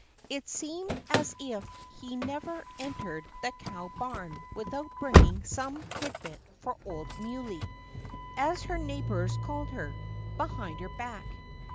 It seemed as if he never entered the cow barn without bringing some tidbit for old Muley, as her neighbors called her behind her back.